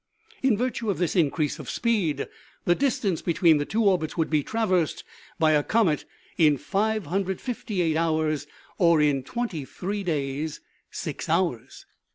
In virtue of this increase of speed, the distance between the two orbits would be traversed by a comet in 558 hours, or in twenty three days, six hours.